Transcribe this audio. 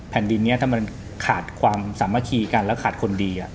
แผ่นดินนี้ถ้ามันขาดความสามัคคีกันแล้วขาดคนดี